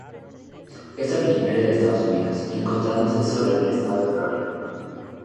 Es originario de Estados Unidos, encontrándose solo en el estado de Florida.